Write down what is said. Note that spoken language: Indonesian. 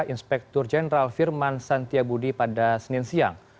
inspektur jeneral firman santia budi pada senin siang